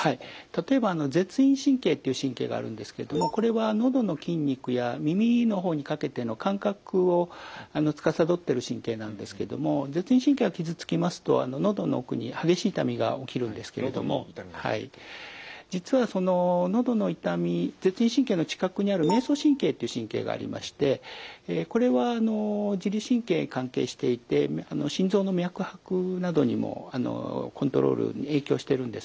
例えばあの舌咽神経っていう神経があるんですけれどもこれは喉の筋肉や耳の方にかけての感覚をつかさどってる神経なんですけども舌咽神経が傷つきますと実はそののどの痛み舌咽神経の近くにある迷走神経っていう神経がありましてこれはあの自律神経に関係していて心臓の脈拍などにもあのコントロールに影響しているんですね。